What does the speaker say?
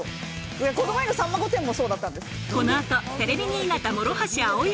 この前の『さんま御殿‼』もそうだったんです。